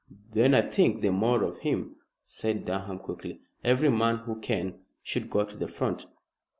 "Then I think the more of him," said Durham quickly. "Every man who can, should go to the Front."